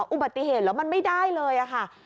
อุบัติเหตุแล้วมันไม่ได้เลยค่ะ